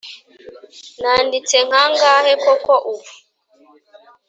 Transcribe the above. Nanditse nkangahe koko ubu